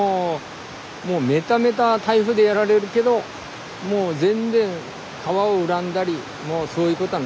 もうメタメタ台風でやられるけどもう全然川を恨んだりもうそういうことはないです。